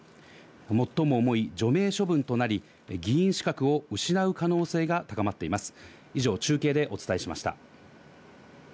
最も重い除名処分となり、議員資格を失う可能性が高まっています。